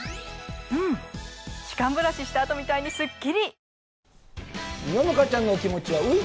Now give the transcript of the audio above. うん歯間ブラシした後みたいにすっきり！